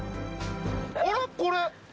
あらこれ。